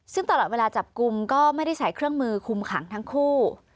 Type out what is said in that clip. ซึ่งตลอดเวลาจับกลุ่มก็ไม่ได้ใส่เครื่องมือคุมขังทั้งคู่